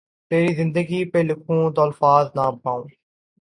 تیری زندگی پھ لکھوں تو الفاظ نہ پاؤں